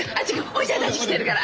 おじちゃんたち来てるから。